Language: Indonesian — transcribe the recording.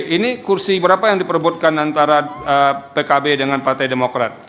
ini kursi berapa yang diperbutkan antara pkb dengan partai demokrat